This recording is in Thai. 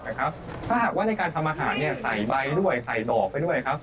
ถ้าหากว่าในการทำอาหารใส่ใบด้วยใส่ดอกไปด้วยครับ